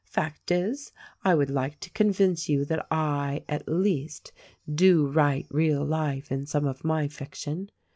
Fact is, I would like to convince you that I, at least, do write real life in some of my fiction.